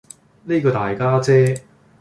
呢個大家姐